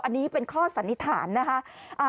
อันนี้เป็นข้อสันนิษฐานนะคะ